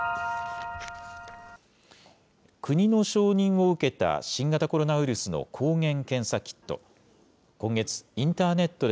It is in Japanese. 国の承認を受けた新型コロナウイルスの抗原検査キット。